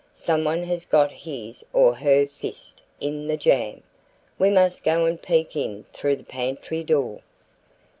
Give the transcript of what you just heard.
Someone has got his or her fist in the jam. We must go and peek in through the pantry door."